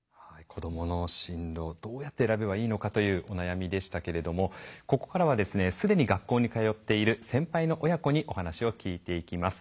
子どもの進路どうやって選べばいいのかというお悩みでしたけれどもここからはですね既に学校に通っている先輩の親子にお話を聞いていきます。